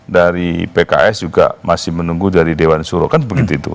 dari pks juga masih menunggu dari dewan suro kan begitu itu